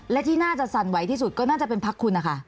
และที่น่าจะสั่นไหวที่สุดก็น่าจะเป็นพักคุณนะคะ